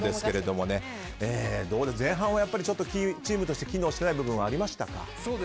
前半はチームとして機能していない部分はありましたか。